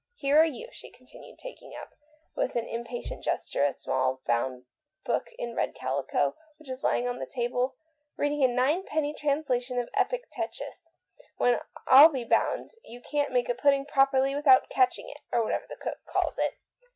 Here are you," she continued, taking up with an impatient gesture a small book bound in red calico, which was lying on the table, "reading a ninepenny translation of ' Epictetus,' when I'll be bound you can't make a pudding properly without it i catch ing '— or whatever the cook calls it."